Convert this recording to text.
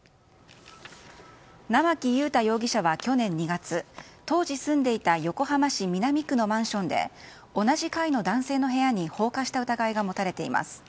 生木裕太容疑者は去年２月当時住んでいた横浜市南区のマンションで同じ階の男性の部屋に放火した疑いが持たれています。